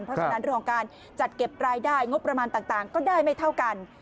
หรือของการจัดเก็บรายได้งบประมาณต่างก็ได้ไม่เท่ากัน